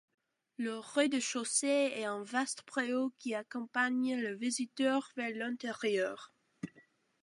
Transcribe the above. Le rez-de-chaussée est un vaste préau qui accompagne le visiteur vers l’intérieur.